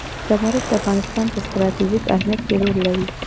زمرد د افغانستان په ستراتیژیک اهمیت کې رول لري.